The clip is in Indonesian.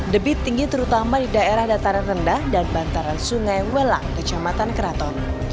debit tinggi terutama di daerah dataran rendah dan bantaran sungai welang kecamatan keraton